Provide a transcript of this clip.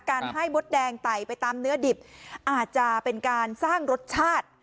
การให้มดแดงไต่ไปตามเนื้อดิบอาจจะเป็นการสร้างรสชาติ